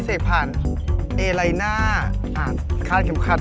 ต่อไปควงนะครับ